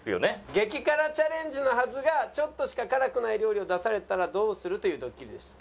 激辛チャレンジのはずがちょっとしか辛くない料理を出されたらどうするというドッキリでした。